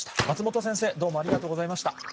松本先生、どうもありがとうございました。